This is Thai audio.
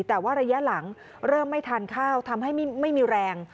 แต่ว่าระยะหลังเริ่มไม่ทานข้าวทำให้ไม่มีแรง